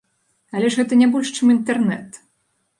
Але ж гэта не больш чым інтэрнэт!